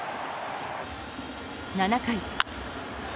７回。